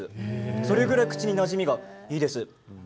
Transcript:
それぐらい口になじみがいいです。